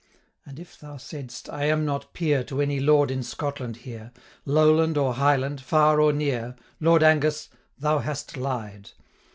And if thou said'st, I am not peer 425 To any lord in Scotland here, Lowland or Highland, far or near, Lord Angus, thou hast lied!'